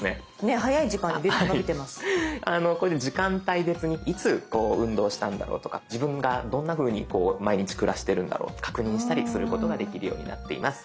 これで時間帯別にいつこう運動したんだろうとか自分がどんなふうにこう毎日暮らしてるんだろう確認したりすることができるようになっています。